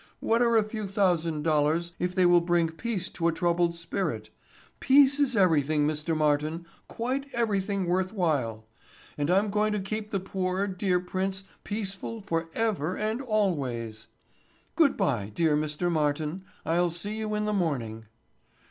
"What are a few thousand dollars if they will bring peace to a troubled spirit? Peace is everything, Mr. Martin, quite everything worth while. And I'm going to keep the poor, dear prince peaceful for ever and always and aye. Good bye, dear Mr. Martin. I'll see you in the morning."